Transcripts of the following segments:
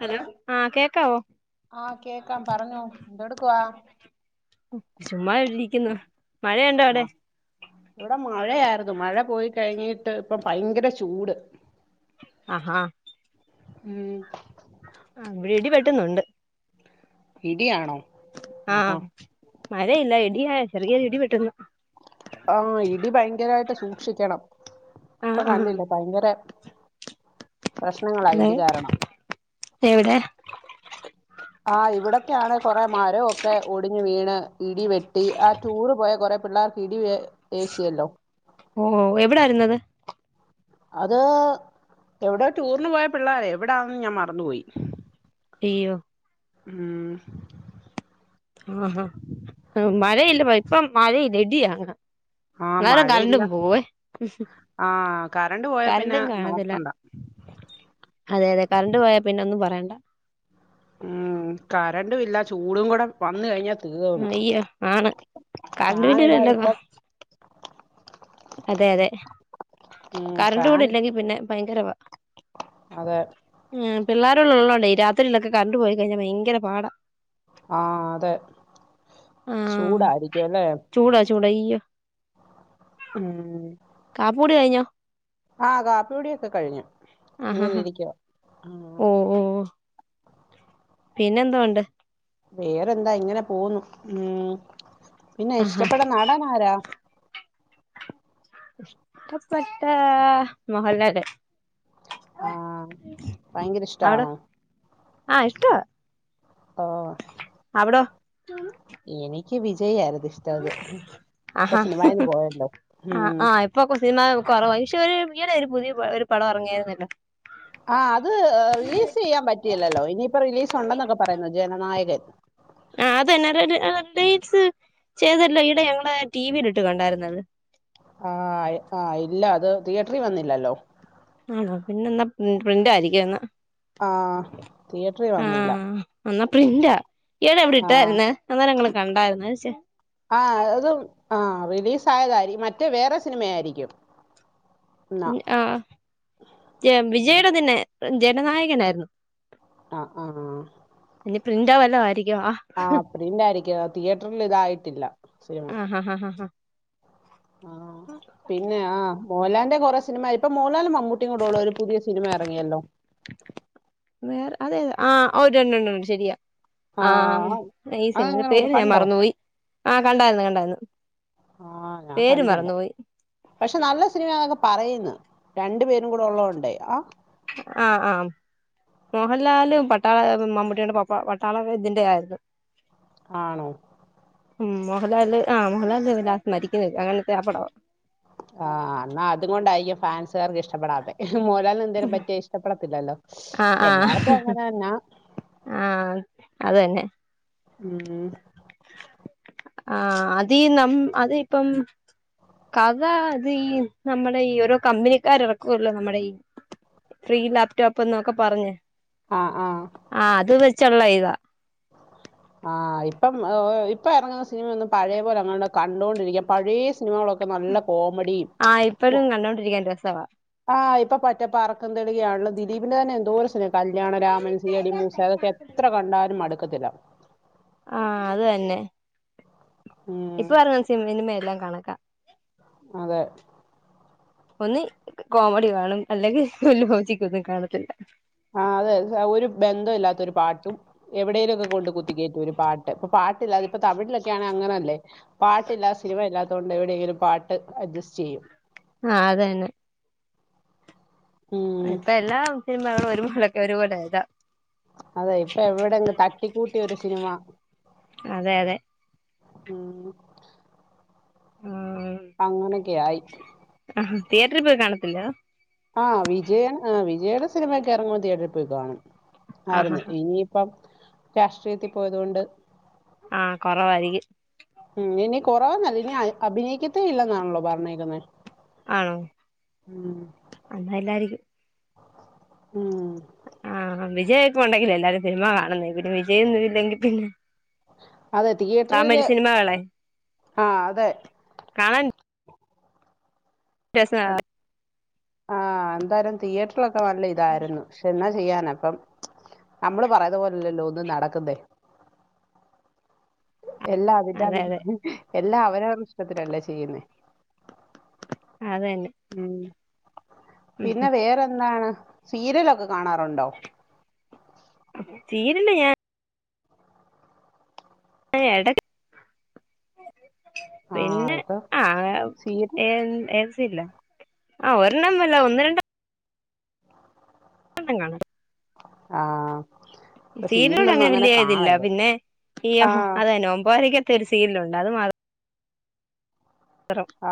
hello ആ കേക്കാവോ ആ കേക്കാം പറഞ്ഞോ എന്തെടുക്കുവാ ചുമ്മാ ഇരിക്കുന്നു മഴയുണ്ടോ അവിടെ ഇവിടെ മഴയായിരുന്നു മഴ മഴ പോയി കഴിഞ്ഞിട്ട് ഇപ്പം ഭയങ്കര ചൂട് ആഹാ ഉം ആ ഇവിടെ ഇടി വെട്ടുന്നുണ്ട് ഇടിയാണോ ആ ആഹാ മഴയില്ല ഇടിയാ ചെറിയൊരു ഇടി വെട്ടുന്നു ആ ഇടി ഭയങ്കരായിട്ട് സൂക്ഷിക്കണം ഇപ്പൊ കണ്ടില്ലേ ഭയങ്കര പ്രശ്നങ്ങളാ അത ഇടി കാരണം എവിടെ ആ ഇവിടൊക്കെയാണ് കൊറെ മരവൊക്കെ ഒടിഞ് വീണ് ഇടി വെട്ടി ആ ടൂർ പോയാ കൊറെ പിള്ളേർക്ക് ഇടി ഏശിയല്ലോ ഓ എവിടായിരുന്നത് അത് എവിടെ ടൂറിന് പോയ പിള്ളേരെ എവിടാണെന്ന് ഞാൻ മറന്നുപോയി ഇയ്യോ മ് ആഹാ മഴയില്ല ഇപ്പം മഴയില്ല ഇടിയാണ് ആഹ് അന്നേരം കറണ്ടും മഴയില്ല പോവേ ആഹ് കറണ്ട് പോയാ പിന്നെ കറണ്ടും കാണത്തില്ല നോക്കണ്ട അതെ അതെ കറണ്ട് പോയാ പിന്നെ ഒന്നും പറയണ്ട ഉം കറണ്ടും ഇല്ല ചൂടും കൂടെ വന്ന് കഴിഞ്ഞാ തീർന്ന് അയ്യോ ആണ് കണ്ട് ഫാൻ ഇടാതിപ്പം [unintelligible] അതെയതെ ഉം കറണ്ട് കൂടി ഫാൻ ഇല്ലെങ്കി പിന്നെ ഭയങ്കരവാ അതെ ഉം പിള്ളേരുള്ളള്ളോണ്ടേ രാത്രിലൊക്കെ കറണ്ട് പോയി കഴിഞ്ഞാ ഭയങ്കര പാടാ ആഹ് അതെ ചൂടായിരിക്കും അല്ലേ യ്യോ ഉം കാപ്പൂടി കയിഞ്ഞോ ആഹ് കാപ്പികുടിയൊക്കെ കഴിഞ്ഞു ആഹാ ഇങ്ങനെ ഹാ ഇരിക്കുവാ ഉം ഓ ഓ വാ പിന്നെന്തോണ്ട് വേറെന്താ ഇങ്ങനെ പോന്നു ഉം പിന്നെ ആഹാ ഇഷ്ടപ്പെട്ട നടൻ ആരാ ഇഷ്ടപ്പെട്ട മോഹൻലാല്ല് ആഹ് ഭയങ്കര ഇഷ്ടാണോ ആഹ് ഇഷ്ടവ ഓ വാ ഇവിടൊ എനിക്ക് വിജ വിജയി ആരുന്നു ഇഷ്ടന്ന് ഇപ്പം ആഹാ സിനിമായിന്ന് പോയല്ലോ ഉ ഉം കുറവ പക്ഷെ ഒരു ഇയാടെ ഒരു പുതിയ ഒരു പടം ഇറങ്ങിയാരുന്നല്ലോ ആ അത് റിലീസ് ചെയ്യാൻ പറ്റിയില്ലല്ലോ ഇനിയിപ്പോ റിലീസ് ഒണ്ടെന്നൊക്കെ പറയുന്നു ജനനായകൻ ആ അതന്നെ അതൊരു ആ റിലിസ് ചെയ്തല്ലോ ഇവിടെ ഞങ്ങളെ ടിവിൽ ഇട്ട് കണ്ടായിരുന്നത് ആ ആ ഇല്ല അത് തിയേറ്ററിൽ വന്നില്ലല്ലോ ആണോ പിന്ന പ്രി പ്രിന്റ് ആയിരിക്കും എന്ന ആ തിയറ്ററിൽ വന്നില്ല എന്നാ പ്രിന്റാ ഇയാള് എവിട ആ ഇട്ട ആയിരുന്നു അന്ന ഞങ്ങള് കണ്ടായിരുന്നു ചെ ആ അതും ആ റിലീസ് ആയതായി മറ്റേ വേറെ സിനിമയരിക്കും ആ ജ വിജയുടെ തന്നെ ജനനായകനായിരുന്നു ആ ആ ആ പ്രിന്റാവല്ല ആരി ആഹ അപടീണ്ടായിരിക്കും തിയേറ്ററിൽ ഇതായിട്ടില്ല സിനിമ ആ ഹാ ഹാ ഹാ ആ പിന്നെ ആ പോലാൻഡ കുറ സിനിമആയി മോഹൻലാലും മമ്മു മമ്മുട്ടി കൂടെയുള്ളഒരു പുതിയ സിനിമ ഇറങ്ങിയല്ലോ വേറെ അതെ ആ ഒരെണ്ണം ണ്ട്ശരിയാണ് ആ ആഹ് ഈ അതെങ്ങനെ ഉണ്ട് സിനിമപേര് ഞാൻ കണ്ടോ മറന്നുപോയി ആഹ കണ്ടായിരുന്നു കണ്ടായിരുന്നു ആ ഞാൻ പേര് കണ്ടില്ല മറന്നുപോയി പറയുന്ന രണ്ടു പേരും കൂടെ ഉള്ളതൊണ്ട ആ ആ ആ മോഹൻലാാല പട്ടാള മമ്മൂട്ടിയുടെ പപ്പ പട്ടാള ഇതിന്റെ ആയിരുന്നു ആണോ ഉം മോഹൻലാല് ആ മോഹൻലാല് ല്ലാസ്റ്റ് മരിക്കുന്ന അങ്ങനത്തെ അ പടവ ആഹ് എന്നാ അതുകൊണ്ടായിരിക്കും ഫാൻസുകാർക്ക് ഇഷ്ടപ്പെടാത്തെ മോഹൻലാലിന് എന്തേലുംപറ്റിയ ഇഷ്ടപ്പെടത്തില്ലല്ലോ ആ ആ എല്ലാർക്കും അങ്ങനെ തന്നാ ആ അത് തന്നെ ഉം ആ അതീ നം അത് ഇപ്പം കഥ അത് നമ്മുടെ ഈ ഓരോ കമ്പനിക്കാർ ഇറക്കുവല്ലോ നമ്മുടെ ഈ ഫ്രീ ലാപ്ടോപ്പ് എന്നൊക്കെ പറഞ്ഞ ആ ആ ചള്ള ഇതാ ആ ഇപ്പം ഇപ്പൊ ഇറങ്ങുന്ന സിനിമൊന്നും പഴയ പോലെ അങ്ങനോട് കണ്ടൊണ്ടിരിക്ക പഴയ സിനമകളൊക്കെ നല്ല കോമഡി ആഹ് ഇപ്പഴും കണ്ടോണ്ടിരിക്കാൻ രസവാ ഇപ്പ [unintelligible] പറക്കും തളികയാണെ ദിലീപിന്റെ എന്തോരു സിനിമ Kalyanaraman C I D Moosa ഇത് ഒക്കെ എത്ര കണ്ടാലും മടുക്കൂ ക്കത്തില്ല ആഹ് അത് തന്നെ ഉം ഇപ്പൊ പറഞ്ഞി സിനിമയിലെ കണക്കാ അതെ ഒന്ന് കോമഡി കാണും അല്ലെങ്കിൽ ഒരു ലോജിക്കെ കാണത്തില്ല ആ അതെ ഒരു ബന്ധം ഇല്ലാത്തൊരു പാട്ടും എവിടെേലുക്കെ കൊണ്ട് കുത്തിക്കയറ്റും ഒരു പാട്ട് ഇപ്പൊ പാട്ടില്ലാെ ഇപ്പോ തമിഴിലൊക്കെ അങ്ങനല്ലേ പാട്ടില്ലാത്ത സിനിമ ഇല്ലാത്ത കൊണ്ട് എവിടെയെങ്കിലും പാട്ട് അഡ്ജസ്റ്റ് ചെയ്യും ആ അതന്നെ ഉം പ്പ എല്ലാം സിനിമകളും [unintelligible] ഒരുപോലെ ല അതെ ഇപ്പൊ എവിടെങ്ക തട്ടിക്കൂട്ടിയൊരു ഒരു സിനിമ അതെ അതെ ഉം ആഹ് അങ്ങനൊക്കെയ ആയി ആഹ് തിയേറ്ററിൽ പോയി കാണത്തില്ല ആ വിജയൻ ആ വിജയുടെ സിനിമൊക്കെ ഇറങ്ങു തിയേറ്ററിൽ പോയി കാണും ആഹ് ആയിരുന്നു ആഹ് ഇനിയിപ്പം രാഷ്ട്രീയത്തിൽ പോയത കൊണ്ട് ആ കുറവായിരിക്കും ഉം ഇനി കുറവന്നല്ല ഇനി അഭിനയിക്കത്തേ ഇല്ല എന്നാണല്ലോ പറഞ്ഞേക്കണേ ആണോ അന്നാ അല്ലായിരിക്കും ഉം ആ വിജയ [unintelligible] ഒക്കെ ഉണ്ടെങ്കിലേ എല്ലാരും സിനിമ കാണുന്ന പിന്നെ വിജയൊന്നും ഇല്ലെങ്കിൽ പിന്നെ അതെ തി [unintelligible] തമിഴ് യേറ്ററില് സിനിമകളെ ആ അതെ കാണാൻ [unintelligible] ആ എന്തായാലും ടീയറ്റർ [unintelligible] ക്ക നല്ല ഇതായിരുന്നു പക്ഷെ എന്നാ ചെയ്യാന അപ്പം നമ്മള് പറയത് പോലെല്ലല്ലോ ഒന്ന് നടക്കന്നെ എല്ലാ അ അതെ അതെ [unintelligible] എല്ലാം അവര അവരെ ഇഷ്ടത്തിലല്ലേ ചെയ്യുന്നേ അത് തന്നെ ഉം പിന്നെ വേറെന്താണ് സീരിയലൊക്കെ കാണാറുണ്ടോ സീരിയല് ഞാൻ ആ എടക്ക ആഹ് പിന്നെ ഇപ്പൊ ആ [unintelligible] സീരി [unintelligible] ആ ഒരെണ്ണല്ല ഒന്ന് രണ്ട [unintelligible] ആഹ് ഇപ്പൊ സീരിലോട് സീരിയലൊന്നും അങ്ങനെ വലിയ ഇതില്ല കാണല്ല പിന്നെ ഈയം ആഹ് അതെന്നെ ഓമ്പാരക്കെ [unintelligible] രു ലുണ്ട് അത് മ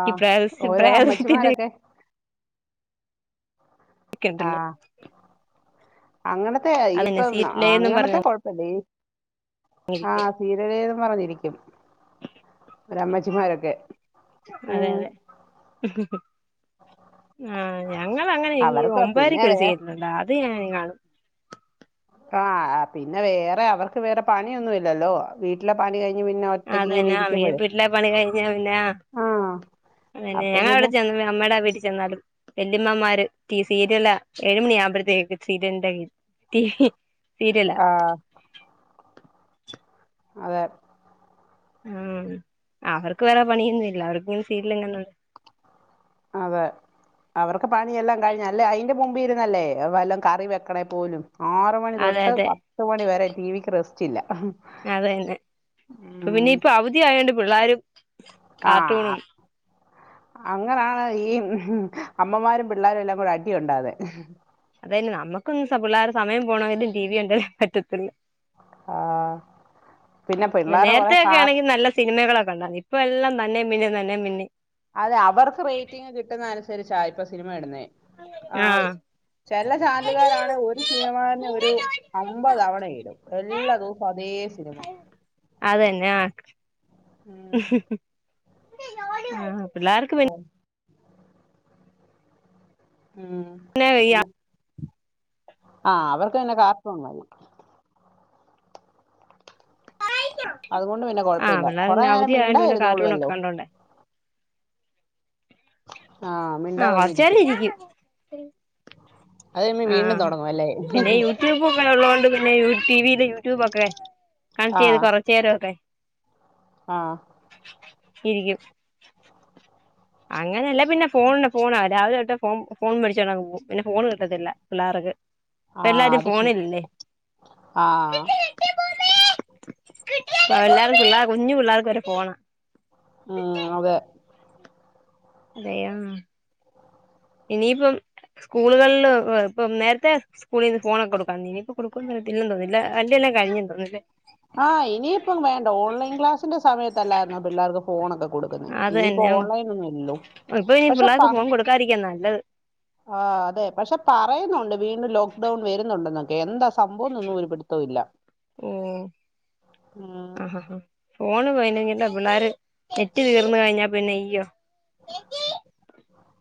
ആഹ് ഓരോ അമ്മച്ചിമാരൊക്കെ ക് ട്ടിൻ ആഹ് അങ്ങനത്തെ ഇപ്പൊ സീറ്റിലേന്നും അങ്ങനത്തെ പറഞ്ഞ കൊഴപ്പല്ലേ ആ സീരിയലേന്നും പറഞ്ഞിരിക്കും ഓരോ അമ്മച്ചിമാരൊക്കെ അതെ ഉം അതെ ആ ഞങ്ങൾ അങ്ങനെ ഈ അവർക്ക് പിന്നെ ഒമ്പരയ്ക്കൊരു വേറെ സീരിയലൊണ്ട് അത് ഞ [unintelligible] കാണും ആ പിന്നെ വേറെ അവർക്ക് വേറെ പണിയൊന്നും ഇല്ലല്ലോ വീട്ടിലെ പണി കഴി അതന്നാ വീ വീട്ടിലെ എല്ലാ പണി കഴിഞ്ഞ പിന്നാ ആ അതന്നെ അപ്പൊ ഞ അവിടെ പിന്നെ ചെന്ന അമ്മയുടെ വീട്ടിൽ ചെന്നാലും വെല്ലിമ്മമാര് സീരിയലാ ഏഴുമണി ആവുമ്പഴത്തേക്കും സീരിയലിന്റെ [unintelligible] ആ അതെ ആ അവർക്ക് വേറെ പണിയൊന്നൂല്ല അവർക്കിങ്ങനെ സീരിയലും കണ്ടോണ്ട് അതെ അവർക്ക് പണിയെല്ലാം കഴിഞ്ഞ അല്ലേ അതിന്റെ മുമ്പിൽ ഇരുന്നല്ലേ വല്ലോം കറി വെക്കണേ പോലും ആറ് മണി അതെ തൊട്ട് അതെ പത്ത് മണി വരെ ടിവിക്ക് റസ്റ്റ്‌ ല്ല അത തന്നെ അപ്പൊ പിന്നെ ഇപ്പൊ അവധി ആയണ്ട് പിള്ളാരും ആ കാർട്ടൂണും അങ്ങനാണ് ഈ അമ്മമാരും പിള്ളാരും എല്ലാം കൂടെ അടിയുണ്ടാവുന്നെ അതെയെന്നെ നമുക്കൊന്ന് പിള്ളേർ സമയം പോണമെങ്കിലും ടി വി കണ്ടേ പറ്റത്തില്ല ആ പിന്നെ പിള്ളേരെ കുറെ നേരത്തെയൊക്കെ കാർ ആണെങ്കിൽ നല്ല സിനിമകളൊക്കെ ഇപ്പ എല്ലാം തന്നെയും പിന്നെയും തന്നെയും പിന്നെയും അതെ അവർക്ക് റേറ്റിംഗ് കിട്ടുന്ന അനു രിച്ചാ ഇപ്പോ സിനിമ ഇടുന്നേ ആ ആഹ് ചില ചാനലുകാരണെ ഒരു സിനിമ തന്നെ ഒരു അമ്പത് തവണയിടും എല്ലാ ദിവസവും അതേ സിനിമ അതെന്നെ ആ ഉം ആ പിള്ളാർക്ക് വെ കൊ- ഉം പിന്നെ ഈ പിന്ന ആ അവർക്ക് പിന്നെ കാർട്ടൂൺ മതി അതുകൊണ്ട് പിന്നെ ആഹ് കൊഴപ്പമില്ല പിള്ളേർ കുറെേ പിന്നെ നേരം അവധി ആയോണ്ട് പിന്നെ കാർട്ടൂണൊക്കെ മിണ്ടാതിരുന്നോള്ളൂല്ലോ കണ്ടോണ്ടേ ആഹ് ആ വച്ചാൽ മിണ്ടാതങ്ങിരിക്കും ഇരിക്കും അത് കഴിയുമ്പോ ആ വീണ്ടും തൊടങ്ങും അല്ലേ പിന്നെ യൂട്യൂബ് ഒക്കെ ഉള്ളതോണ്ട് പിന്നെ യു ടിവിയില് യൂട്യൂബൊക്കെ കണക്ട് ചെയ്ത് കുറച്ചു നേരമൊക്കെ ആഹ ഇരിക്കും അങ്ങനെയല്ല പിന്നെ ഫോണ ഫോണാവ രാവിലെ തട്ട് ഫോൺ ഫോൺ േ മടിച്ചണ്ടുപോകും പിന്നെ ഫോൺ കിട്ടത്തില്ല പിള്ളേർക്ക് ഇപ്പ ആഹ് എല്ലാരും അത് ശരി ഫോണില്ലല്ലേ ആഹ് [unintelligible] അ എല്ലാവർക്കുംള്ള കുഞ്ഞു പിള്ളേർക്ക് വരെ പോണം ഉം അതെ അതെയ ഇനിയിപ്പം സ്കൂളുകളില് ഇപ്പം നേരത്തെ സ്കൂളിൽ നിന്ന് ഫോണൊക്കെ കൊടുക്കാ ഇനിയിപ്പൊ കൊടുക്കന്ന് പറത്തില്ലെന്ന് തോന്നുന്നില്ല അല്ല എല്ലാം കഴിഞ്ഞും തോന്നില്ലേ ആഹ് ഇനിയിപ്പം വേണ്ട ഓൺലൈൻ ക്ലാസിന്റെ സമയത്തല്ലായിരരുന്നു പിള്ളേർക്ക് ഫോണൊക്കെ കൊടുക്കുന്നെ അത് ഇനിയിപ്പോ തന്നെ ഓൺലൈൻ ഒന്നും ഇല്ലല്ലോ ഇപ്പൊ ഇനി പക്ഷെ പ്പ പിള്ളേർക്ക് ഫോൺ കൊടുക്കാതിരിക്കാ നല്ലത് [inaudible] ആ അതെ പക്ഷെ പറയുന്നുണ്ട് വീണ്ടും ലോക്ക്ഡൌൺ വരുന്നുണ്ട്ന്നൊക്കെ എന്താ സംഭവംൊന്നും ഒരുപിടുത്തവുല്ല ഓ ആഹ് ആഹ് ഉം ഫോണ് പോയില്ലെങ്കി എന്താ പിള്ളാര് നെറ്റ് തീർന്ന് കഴിഞ്ഞാൽ പിന്നെ യ്യോ ചേച്ചി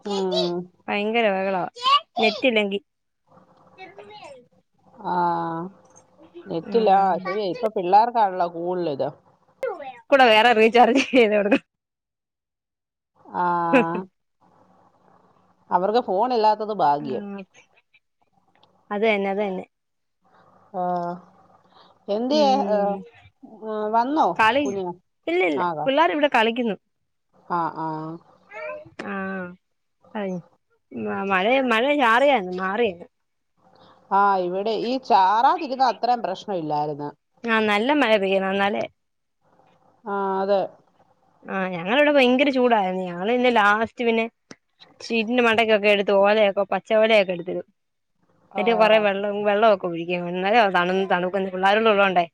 ചേച്ചി ഉം ഭയങ്കര ബഹളവാ ചേച്ചി നെറ്റില്ലെങ്കി ആ നെറ്റില്ല ഉം ആ ശരിയാ ഇപ്പൊ പിള്ളാർക്ക് ള്ള കൂടുതൽ വരാ കൂടെ വേറെ റീചാർജ് ചെയ്ത് കൊടുക്കും മ് ഹ് ആഹ് ഹ് അവർക്ക് ഫോണില്ലാത്ത ത്തത് ഭാഗ്യം അതന്നെ അതന്നെ ആ എന്തിയേ ഉം വന്നോ കളി കുഞ്ഞിനെ ഇല്ല ഇല്ല ആ വാ പിള്ളേർ ഇവിടെ കളിക്കുന്നു ആ ആ ആ അ മഴയ് മഴ ചാറിയാരുന്ന് മാറിയങ്ങ് ആ ഇവിടെ ഈ ചാറാതിരുന്ന അത്രയും പ്രശ്നം ഇല്ലാരുന്ന് ആഹ് നല്ല മഴ പെയ്യണം എന്നാലേ ആ അതെ ആ ഞങ്ങടിവിടെ ഭയങ്കര ചൂടായിരുന്നു ഞങ്ങള് പിന്നെ ലാസ്റ്റ് പിന്നെ ഷീറ്റിന്റെ മണ്ടക്കൊക്കെ എടുത്ത് ഓലയൊക്കെ പച്ച ഓലയൊക്കെ എടുത്തിടും എന്നിട്ട് കുറെ ആഹ് വെള്ളം വെള്ളവൊക്കെ ഒഴി ഇന്നലെയോ തണുന്ന് തണുക്കുന്നു പിള്ളാരിന്നുഉള്ളോണ്ടേ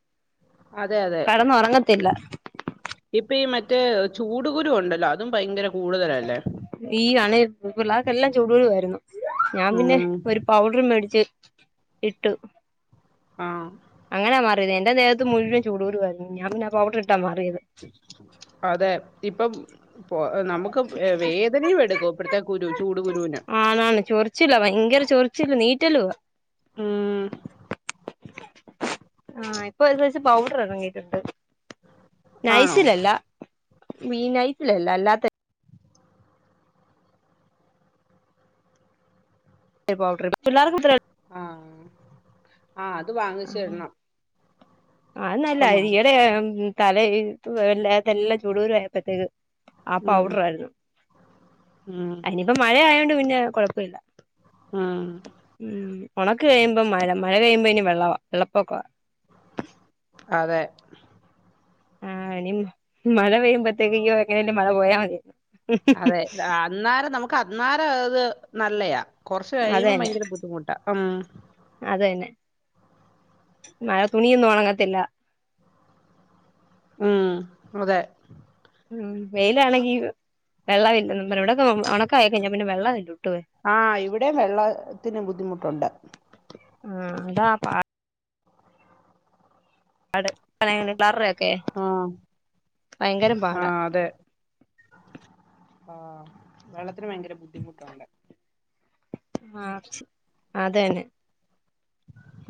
അതെ അതെ ഇപ്പ ഈ മറ്റ് മറ്റേ ചൂടു കുരു ഉണ്ടല്ലോ അതും ഭയങ്കര കൂടുതലല്ലേ ഈ അണെ പിള്ളാർക്കെല്ലാം ചൂടു കുരുവായിരുന്നു ഞാൻ ഉം പിന്നെ ഒരു പൗഡർ മേടിച്ച് ഇട്ടു ആ അങ്ങനാ മാറിയത് എൻ്റെ ദേഹത്ത് മുഴുവൻ ചൂടുകുരു ആയിരുന്നു ഞാൻ പിന്നെ പൗഡർ ഇട്ട് അതെ ഇപ്പം ഇപ്പം നമുക്ക് വേദനയും എടുക്കും പ്പഴത്തേക്ക് ഊരി വെച്ചു ആണാണ് ചൊറിച്ചില ഭയങ്കര ചൊറി ച്ച് ല്നീറ്റലുവ ഉം ആ ഇപ്പൊ ഒരു സൈസ് പൗഡർ ഇറങ്ങിട്ടുണ്ട് ആണോ നൈസിലല്ല മീൻനൈസിലല്ല അല്ലാത്തേ [unintelligible] പിള്ളേർക്കുത്തര ആ ആ അത് ഇത് വാങ്ങിച്ചിടണം അ നല്ല ഈയടെ തല എല്ലതല്ല ചൂടുരു ആയപ്പോത്തേക്ക് ആ ഉം പൗഡർ ആയിരുന്നു ഉം അനിയിപ്പോ മഴ ആയോണ്ട് പിന്നെ പിന്നത്കുഴപ്പമില്ല ഉം ഉണക്ക് കഴിയുമ്പോ മഴ മഴ കഴിയുമ്പോ ഇനി വെള്ളവാ വെളളപൊക്കവ അതെ ആഹ് ഇനി മഴപെയ്യുംബത്തേക്ക് ഇനി എങ്ങനേലും മഴ പോയമതീന്ന് അതെ അന്നേരം നമുക്ക് കന്നാര അത് നല്ലയാ കുറച്ചു അത് കഴിയുമ്പോ തന്നെ ഭയങ്കര ബുദ്ധിമുട്ടാ ഉം അത് തന്നെ മഴ തുണിയൊന്നും ഉണങ്ങത്തില്ല ഉം അതെ ഉം വെയിലാണെങ്കി വെള്ളമില്ലെന്നും വിടെക്കെ ഓണക്ക കയിഞ്ഞാ പിന്നെവെള്ളം ആഹ് ഇവിടെ വെള്ളത്തിന് ബുദ്ധിമുട്ടുണ്ട് ആ അതാ പാ പാഡ് കളയാൻ പിള്ളാർടെയൊക്ക ഒക്കെ ആ ഭയങ്കര പാടാ അതെ ആ വെള്ളത്തിന് ഭയങ്കര ബുദ്ധിമുട്ടുണ്ട് ആ അതന്നെ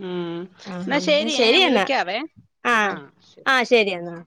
ഉം ആഹ് എന്നാൽ എന്നാ ശരിയെ ശരി ഞാൻ എന്നാ വിളിക്കാവേ ആ ആഹ് ശരി ആഹ് എന്നാ